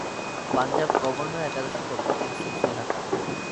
Punjab governor একাদশের পক্ষে তিনি সেঞ্চুরি হাঁকান।